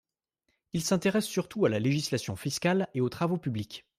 Il s'intéresse surtout à la législation fiscale et aux travaux publics.